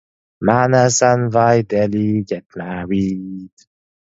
Manas and Vaidehi get married.